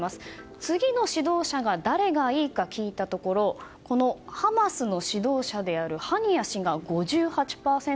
次の指導者が誰がいいか聞いたところハマスの指導者であるハニヤ氏が５８％。